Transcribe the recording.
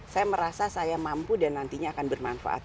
saya merasa saya mampu dan nantinya akan bermanfaat